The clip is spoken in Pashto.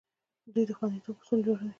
دوی د خوندیتوب اصول جوړوي.